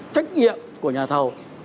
trách nhiệm của nhà thầu